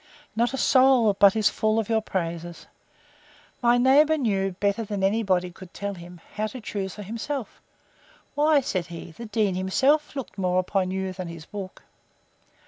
Not a soul but is full of your praises! My neighbour knew, better than any body could tell him, how to choose for himself. Why, said he, the dean himself looked more upon you than his book.